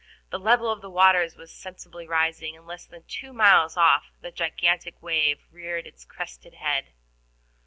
The level of the waters was sensibly rising, and less than two miles off the gigantic wave reared its crested head.